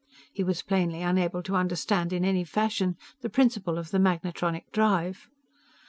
He was plainly unable to understand in any fashion the principle of the magnetronic drive.